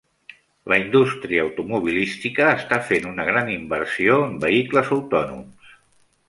La indústria automobilística està fent una gran inversió en vehicles autònoms.